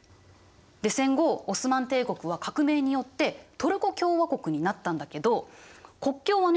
で戦後オスマン帝国は革命によってトルコ共和国になったんだけど国境はね